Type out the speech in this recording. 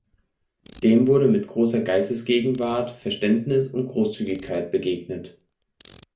Dem wurde mit großer Geistesgegenwart, Verständnis und Großzügigkeit begegnet.